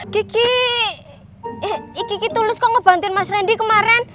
kiki tulus kok ngebantuin mas randy kemarin